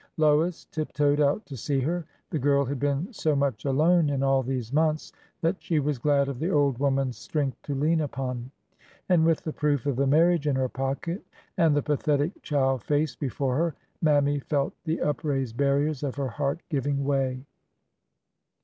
Lois tiptoed out to see her. The girl had been so much alone in all these months that she was glad of the old woman's strength to lean upon ; and with the proof of the marriage in her pocket and the pathetic child face before her. Mammy felt the upraised barriers of her heart giving way.